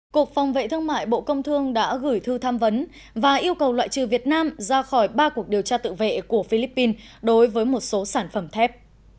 cục phòng vệ thương mại bộ công thương đã gửi thư tham vấn và yêu cầu loại trừ việt nam ra khỏi ba cuộc điều tra tự vệ của philippines đối với một số sản phẩm thép